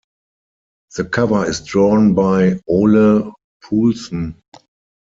The cover is drawn by Ole Poulsen.